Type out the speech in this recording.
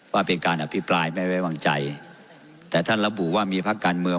ว่าเป็นการอภิปรายไม่ไว้วางใจแต่ท่านระบุว่ามีพักการเมือง